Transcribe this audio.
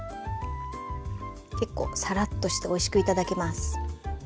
結構サラッとしておいしく頂けます。